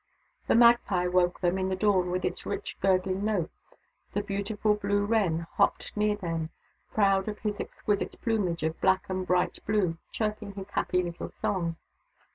The magpie woke them in the dawn with its rich gurgling notes ; the beautiful blue wren hopped near them, proud of his exquisite plumage of black and bright blue, chirping his happy little song.